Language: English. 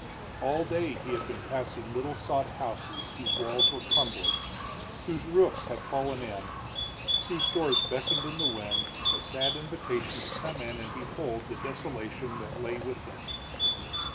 All day he had been passing little sod houses whose walls were crumbling, whose roofs had fallen in, whose doors beckoned in the wind a sad invitation to come in and behold the desolation that lay within.